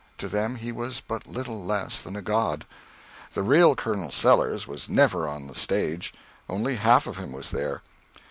To them he was but little less than a god. The real Colonel Sellers was never on the stage. Only half of him was there.